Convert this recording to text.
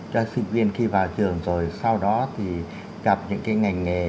cho sinh viên khi vào trường rồi sau đó thì gặp những cái ngành nghề